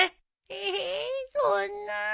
ええそんな。